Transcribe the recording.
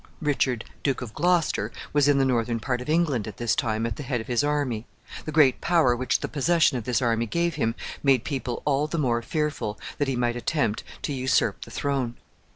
Richard, Duke of Gloucester, was in the northern part of England at this time, at the head of his army. The great power which the possession of this army gave him made people all the more fearful that he might attempt to usurp the throne.